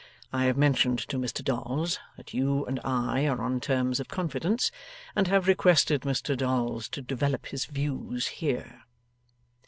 I have mentioned to Mr Dolls that you and I are on terms of confidence, and have requested Mr Dolls to develop his views here.